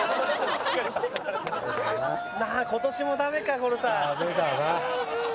今年もダメかゴルさん。